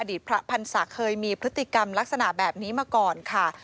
อดีตพระพันธ์ศักดิ์เคยมีพฤติกรรมลักษณะแบบนี้มาก่อนค่ะ